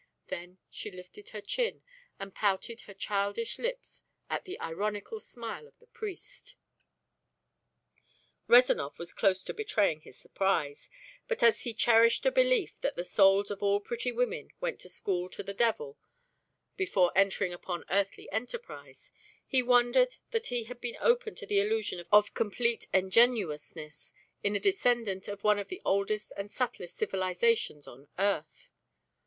Then she lifted her chin and pouted her childish lips at the ironical smile of the priest. Rezanov was close to betraying his surprise; but as he cherished a belief that the souls of all pretty women went to school to the devil before entering upon earthly enterprise, he wondered that he had been open to the illusion of complete ingenuousness in a descendant of one of the oldest and subtlest civilizations of earth.